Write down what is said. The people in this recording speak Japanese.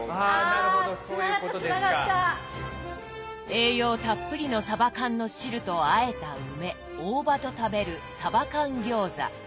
栄養たっぷりのさば缶の汁とあえた梅大葉と食べるさば缶餃子。